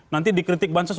nanti dikritik bansos